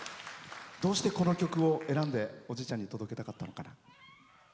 どうして、この曲を選んでおじいちゃんに届けたかったのかな。